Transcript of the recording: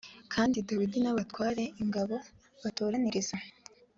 kandi dawidi n abatware ingabo batoraniriza